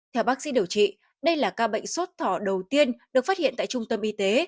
theo bác sĩ điều trị đây là ca bệnh sốt thỏ đầu tiên được phát hiện tại trung tâm y tế